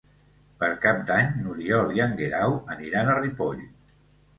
Per Cap d'Any n'Oriol i en Guerau aniran a Ripoll.